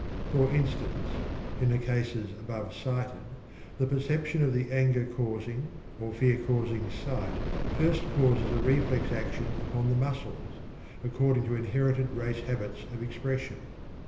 For instance, in the cases above cited, the perception of the anger causing or fear causing sight first causes a reflex action upon the muscles, according to inherited race habits of expression.